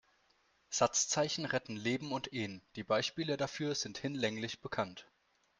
Satzzeichen retten Leben und Ehen, die Beispiele dafür sind hinlänglich bekannt.